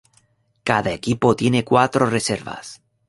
Cada equipo tiene cuatro reservas.